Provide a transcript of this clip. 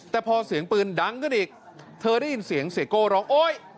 แต่พอเสียงปืนดังขึ้นอีกเธอได้ยินเสียงเสียโก้ร้องโอ๊ย